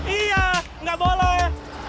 iya nggak boleh